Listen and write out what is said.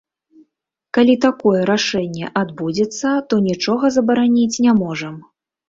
Калі такое рашэнне адбудзецца, то нічога забараніць не можам.